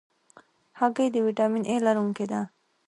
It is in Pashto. هګۍ د ویټامین A لرونکې ده.